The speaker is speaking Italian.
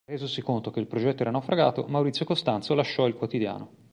Resosi conto che il progetto era naufragato, Maurizio Costanzo lasciò il quotidiano.